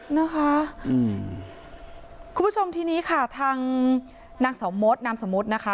นะคะอืมคุณผู้ชมทีนี้ค่ะทางนางเสามดนามสมมุตินะคะ